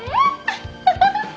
アハハハ。